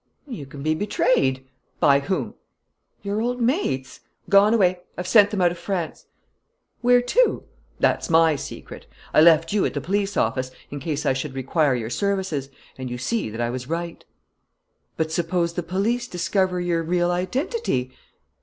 "You can be betrayed." "By whom?" "Your old mates." "Gone away. I've sent them out of France." "Where to?" "That's my secret. I left you at the police office, in case I should require your services; and you see that I was right." "But suppose the police discover your real identity?"